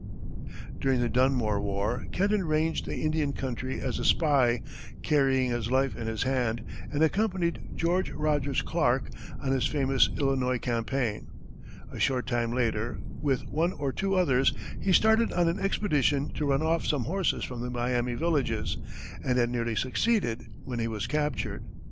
During the Dunmore war, Kenton ranged the Indian country as a spy, carrying his life in his hand, and accompanied George Rogers Clark on his famous Illinois campaign. A short time later, with one or two others, he started on an expedition to run off some horses from the Miami villages, and had nearly succeeded, when he was captured.